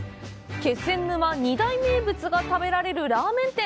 気仙沼２大名物が食べられるラーメン店！